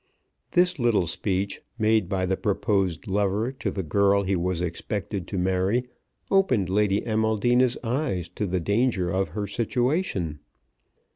This little speech, made by the proposed lover to the girl he was expected to marry, opened Lady Amaldina's eyes to the danger of her situation.